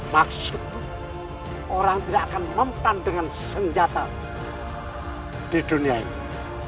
maksud orang tidak akan mempan dengan senjata di dunia ini